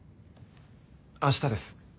明日です。